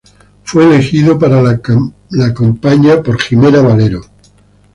Fue elegida para la compaña por Ximena Valero.